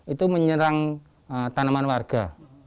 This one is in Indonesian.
itu menyerang tanaman warga